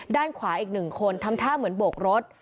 ด้านขวาอีกหนึ่งคนทำท่าเหมือนโบกรถ